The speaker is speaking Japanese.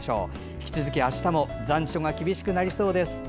引き続き、あしたも残暑が厳しくなりそうです。